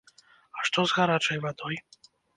А што з гарачай вадой?